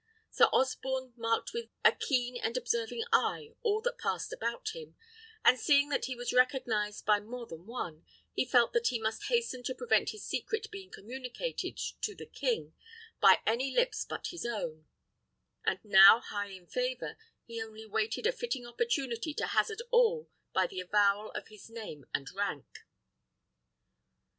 Sir Osborne marked with a keen and observing eye all that passed about him; and seeing that he was recognised by more than one, he felt that he must hasten to prevent his secret being communicated to the king by any lips but his own; and now high in favour, he only waited a fitting opportunity to hazard all by the avowal of his name and rank.